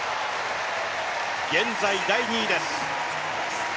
現在、第２位です。